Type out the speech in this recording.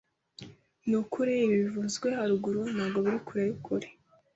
Nukubi ibi bivuzwe haruguru ntabwo biri kure yukuri